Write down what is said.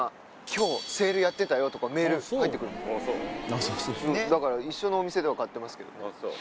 今日セールやってたよとかメール入ってくるもんだから一緒のお店では買ってますけどね